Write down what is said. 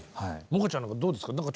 萌歌ちゃんなんかどうですか？